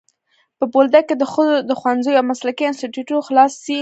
په بولدک کي دي ښوونځی او مسلکي انسټیټونه خلاص سي.